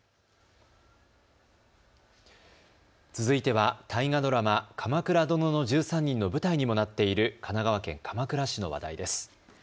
続いては大河ドラマ、鎌倉殿の１３人の舞台にもなっている神奈川県鎌倉市の話題です。